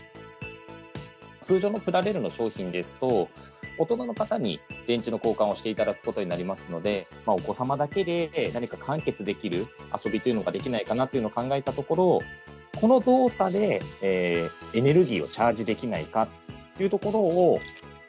通常のプラレールの商品ですと、大人の方に電池の交換をしていただくことになりますので、お子様だけで何か完結できる遊びというのができないかなというのを考えたところ、この動作でエネルギーをチャージできないかっていうところを。